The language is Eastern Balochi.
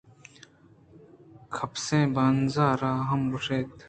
کپیس ءَ بانز ءَرا ہم گوٛشت